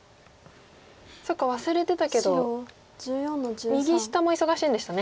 そっか忘れてたけど右下も忙しいんでしたね。